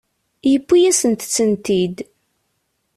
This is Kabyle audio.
Yuwi-asent-ten-id.